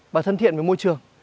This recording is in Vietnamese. và thân thiện với môi trường